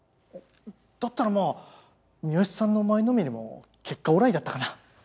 だったらまあ三好さんの前のめりも結果オーライだったかな。